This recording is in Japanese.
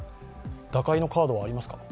打開のカードはありますか？